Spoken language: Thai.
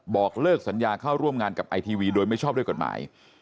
บอกเลิกสัญญาเข้าร่วมงานกับไอทีวีโดยไม่ชอบด้วยกฎหมาย